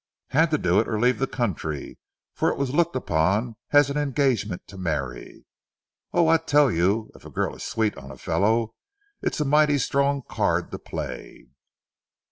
Had to do it or leave the country, for it was looked upon as an engagement to marry. Oh, I tell you, if a girl is sweet on a fellow, it's a mighty strong card to play."